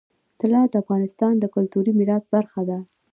طلا د افغانستان د کلتوري میراث برخه ده.